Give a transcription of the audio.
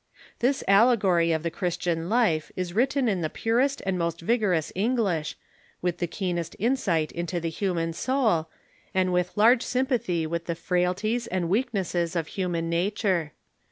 This allegory of the Christian life is written in the purest and most vigorous English, with the keenest insight into the human soul, and with large sympathy with the frailties and weaknesses of human nature.